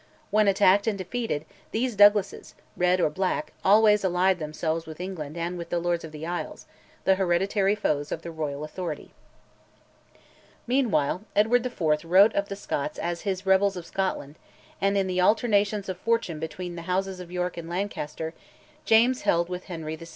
When attacked and defeated, these Douglases, red or black, always allied themselves with England and with the Lords of the Isles, the hereditary foes of the royal authority. Meanwhile Edward IV. wrote of the Scots as "his rebels of Scotland," and in the alternations of fortune between the Houses of York and Lancaster, James held with Henry VI.